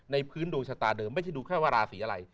พื้นดวงชะตาเดิมไม่ใช่ดูแค่ว่าราศีอะไร